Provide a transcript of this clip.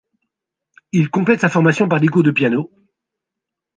Il complète sa formation par des cours de piano.